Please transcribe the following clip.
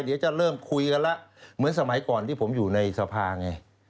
เดี๋ยวจะเริ่มคุยกันแล้วเหมือนสมัยก่อนที่ผมอยู่ในสภาไง